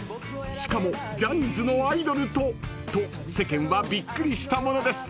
［しかもジャニーズのアイドルと⁉と世間はびっくりしたものです］